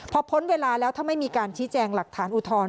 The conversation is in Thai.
พอพ้นเวลาแล้วถ้าไม่มีการชี้แจงหลักฐานอุทธรณ์